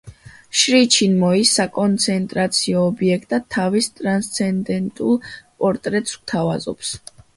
შრი ჩინმოი საკონცენტრაციო ობიექტად თავის „ტრანსცენდენტულ პორტრეტს“ გვთავაზობს.